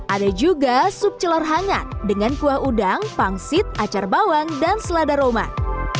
ada juga sup celor hangat dengan kuah udang pangsit acar bawang dan selada roman